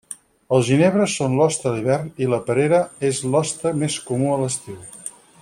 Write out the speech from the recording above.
Els ginebres són l'hoste a l'hivern i la perera és l'hoste més comú a l'estiu.